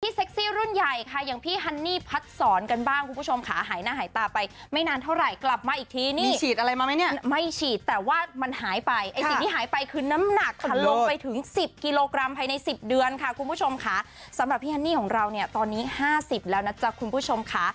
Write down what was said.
เซ็กซี่รุ่นใหญ่ค่ะอย่างพี่ฮันนี่พัดสอนกันบ้างคุณผู้ชมค่ะหายหน้าหายตาไปไม่นานเท่าไหร่กลับมาอีกทีนี่ฉีดอะไรมาไหมเนี่ยไม่ฉีดแต่ว่ามันหายไปไอ้สิ่งที่หายไปคือน้ำหนักค่ะลงไปถึงสิบกิโลกรัมภายในสิบเดือนค่ะคุณผู้ชมค่ะสำหรับพี่ฮันนี่ของเราเนี่ยตอนนี้ห้าสิบแล้วนะจ๊ะคุณผู้ชมค่ะ